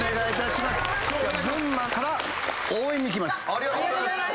ありがとうございます。